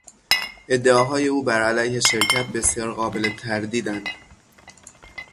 ادعاهای او بر علیه شرکت بسیار قابل تردیداند.